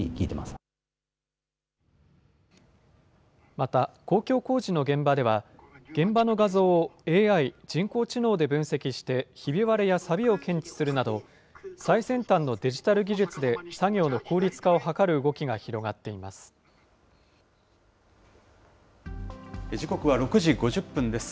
また、公共工事の現場では、現場の画像をＡＩ・人工知能で分析してひび割れやさびを検知するなど、最先端のデジタル技術で作業の効率化を図る動きが広がって時刻は６時５０分です。